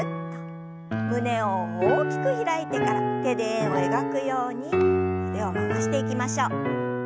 胸を大きく開いてから手で円を描くように腕を回していきましょう。